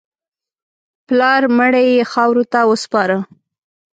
پلار مړی یې خاورو ته وسپاره.